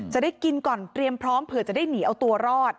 จะได้กินก่อนเตรียมพร้อมเผื่อจะได้หนีเอาตัวรอด